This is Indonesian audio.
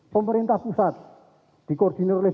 pemerintah pusat dikoordinir oleh